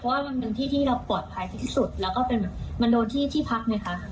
ว่ามันเป็นที่ที่เราปลอดภัยที่สุดแล้วก็เป็นมันโดนที่ที่พักไหมคะ